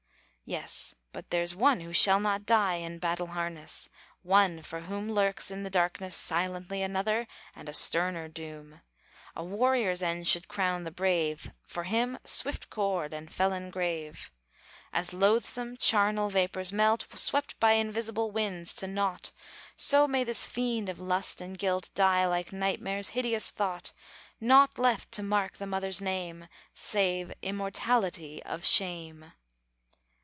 Yes! but there's one who shall not die In battle harness! One for whom Lurks in the darkness silently Another and a sterner doom! A warrior's end should crown the brave For him, swift cord! and felon grave! As loathsome, charnel vapors melt, Swept by invisible winds to naught, So, may this fiend of lust and guilt Die like nightmare's hideous thought! Naught left to mark the mother's name, Save immortality of shame!